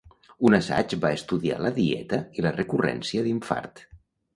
Un assaig va estudiar la dieta i la recurrència d'infart.